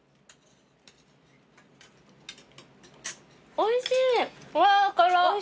おいしい。